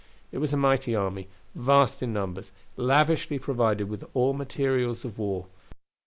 It was a mighty army, vast in numbers, lavishly provided with all materials of war.